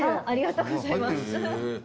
ありがとうございます。